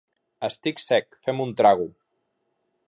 Estic sec. Fem un trago.